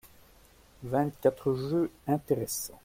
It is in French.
Vingt-quatre jeux intéressants.